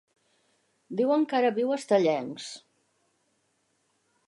Diuen que ara viu a Estellencs.